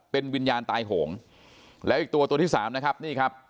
เป็นวิญญาณตายโหงแล้วอีกตัวตัวที่สามนะครับนี่ครับ